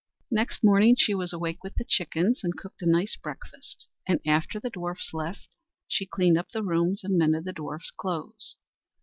Next morning she was awake with the chickens, and cooked a nice breakfast; and after the dwarfs left, she cleaned up the rooms and mended the dwarfs' clothes.